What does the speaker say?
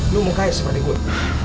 lu mau kaya seperti gua